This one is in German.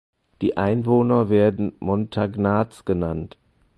Die Einwohner werden "Montagnards" genannt.